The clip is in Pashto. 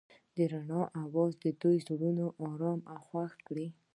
د رڼا اواز د دوی زړونه ارامه او خوښ کړل.